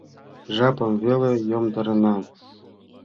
Жапым веле йомдарена.